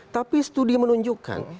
tapi studi menunjukkan